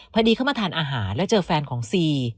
พอดีเข้ามาทานอาหารแล้วเจอแฟนของซี